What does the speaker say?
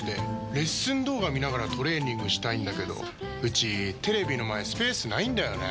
レッスン動画見ながらトレーニングしたいんだけどうちテレビの前スペースないんだよねー。